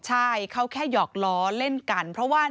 ใช่เขาแค่หยอกล้อเล่นกันเพราะว่า